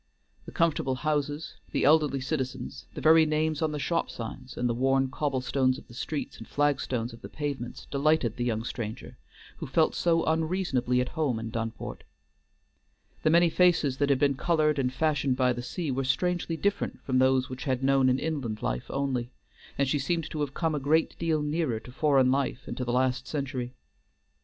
The comfortable houses, the elderly citizens, the very names on the shop signs, and the worn cobblestones of the streets and flagstones of the pavements, delighted the young stranger, who felt so unreasonably at home in Dunport. The many faces that had been colored and fashioned by the sea were strangely different from those which had known an inland life only, and she seemed to have come a great deal nearer to foreign life and to the last century.